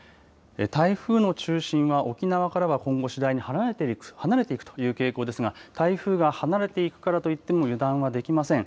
台風の中心は沖縄からは今後、次第に離れていくという傾向ですが台風が離れていくからといっても油断はできません。